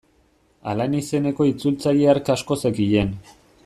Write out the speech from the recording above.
Alain izeneko itzultzaile hark asko zekien.